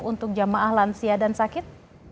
untuk jamaah lansia dan sakit